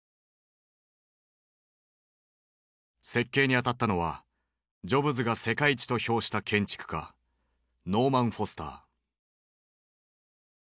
設計に当たったのはジョブズが世界一と評した建築家ノーマン・フォスター。